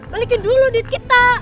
balikin dulu duit kita